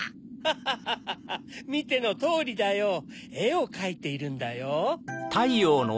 ハハハみてのとおりだよえをかいているんだよ。